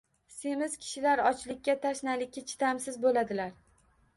Semiz kishilar ochlikka, tashnalikka chidamsiz bo‘ladilar.